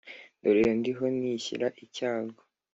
dore ndiho nishyira icyago